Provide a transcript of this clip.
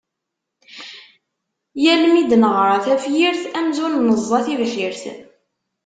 Yal mi d-neɣra tafyirt, amzun neẓẓa tibḥirt.